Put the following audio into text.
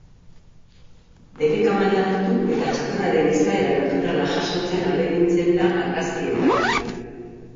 Bere kamara hartu eta txakurraren izaera naturala jasotzen ahalegintzen da argazkietan.